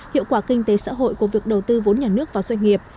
hiệu quả kinh tế xã hội của việc đầu tư vốn nhà nước vào doanh nghiệp